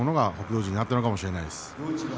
富士に上がったのかもしれません。